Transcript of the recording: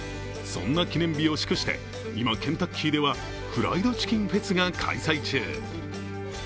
そんな記念日を祝して、今、ケンタッキーではフライドチキンフェスが開催中。